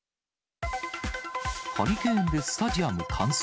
ハリケーンでスタジアム冠水。